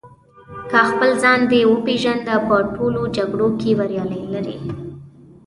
که خپل ځان دې وپېژنده په ټولو جګړو کې بریا لرې.